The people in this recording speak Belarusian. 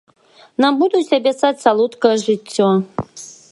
Нам будуць абяцаць салодкае жыццё.